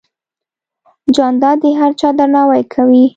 جانداد د هر چا درناوی کوي.